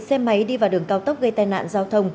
xe máy đi vào đường cao tốc gây tai nạn giao thông